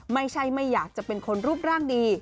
ไม่ใช่ไม่อยากจะเป็นคนรูปร่างดี